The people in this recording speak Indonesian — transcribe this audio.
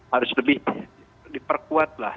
harus lebih diperkuat lah